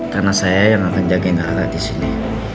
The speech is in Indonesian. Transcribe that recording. karena saya yang akan jaga darah disini